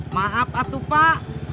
maaf atuh pak